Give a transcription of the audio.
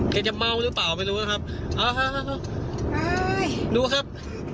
เค้จะเมาหรือเปล่าไม่รู้นะครับ